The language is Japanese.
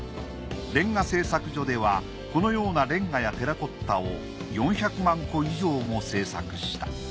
煉瓦製作所ではこのようなレンガやテラコッタを４００万個以上も製作した。